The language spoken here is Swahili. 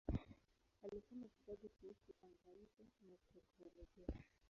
Alisoma vitabu kuhusu anga-nje na teknolojia.